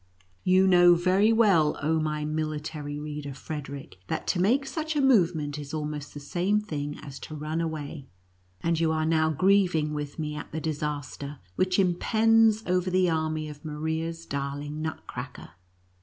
You know very well, oh my military reader Frederic, that to make such a movement is almost the same thing as to run away, and you are now grieving with me at the disaster which impends over the army of Maria's darling Nutcracker.